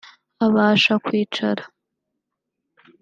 Abasha kwicara